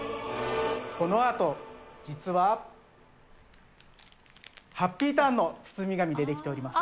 このアート、実はハッピーターンの包み紙で出来ております。